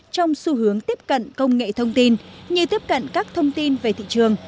trong xu hướng tiếp cận công nghệ thông tin như tiếp cận các thông tin về thị trường